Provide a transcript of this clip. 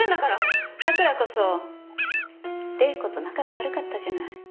桜こそ玲子と仲が悪かったじゃない。